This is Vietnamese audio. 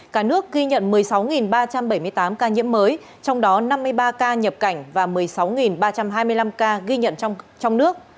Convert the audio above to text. cả nước ghi nhận một mươi sáu ba trăm bảy mươi tám ca nhiễm mới trong đó năm mươi ba ca nhập cảnh và một mươi sáu ba trăm hai mươi năm ca ghi nhận trong nước